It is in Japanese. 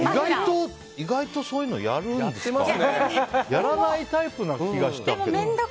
意外とそういうのやるんですか。やらないタイプな気がしたけど。